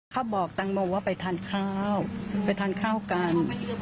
เขาบอกแตงโมว่าไปทานข้าวไปทานข้าวกัน